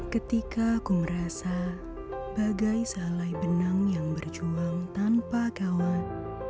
ketika aku merasa bagai sehalai benang yang berjuang tanpa kawan